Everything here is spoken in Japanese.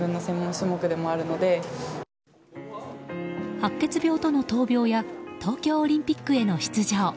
白血病との闘病や東京オリンピックへの出場。